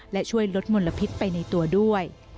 และช่วยลดมลพิษไปในตัวด้วย